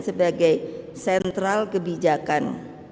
sebagai sentral kebijakan